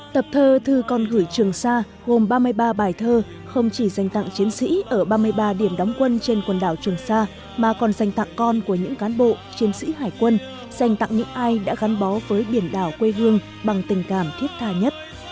tập thơ thư con gửi trường xa gồm ba mươi ba bài thơ không chỉ dành tặng chiến sĩ ở ba mươi ba điểm đóng quân trên quần đảo trường sa mà còn dành tặng con của những cán bộ chiến sĩ hải quân dành tặng những ai đã gắn bó với biển đảo quê hương bằng tình cảm thiết tha nhất